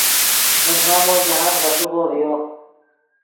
من مامو جاہند غیݰیغو ڤیو